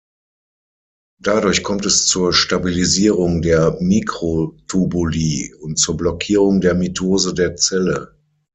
Dadurch kommt es zur Stabilisierung der Mikrotubuli und zur Blockierung der Mitose der Zelle.